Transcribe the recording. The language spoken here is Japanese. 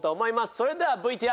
それではＶＴＲ。